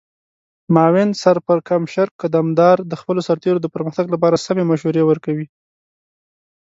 معاون سرپرکمشر قدمدار د خپلو سرتیرو د پرمختګ لپاره سمې مشورې ورکوي.